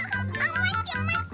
まてまて。